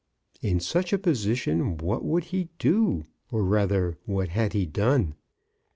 In such a position what would he do — or rather what had he done?